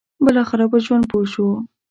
بالاخره په ژوند پوه شو.